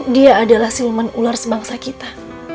dia adalah silman ular sebangsa kita